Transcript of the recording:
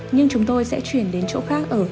nhưng chúng tôi sẽ chuyển đến chỗ khác ở